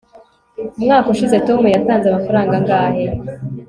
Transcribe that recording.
umwaka ushize tom yatanze amafaranga angahe